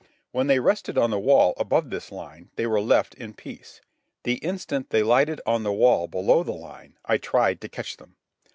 When they rested on the wall above this line they were left in peace. The instant they lighted on the wall below the line I tried to catch them.